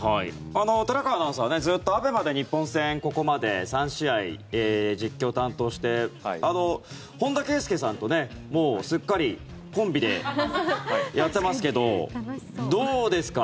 寺川アナウンサーはずっとＡＢＥＭＡで日本戦、ここまで３試合実況を担当して本田圭佑さんとすっかりコンビでやってますけどどうですか？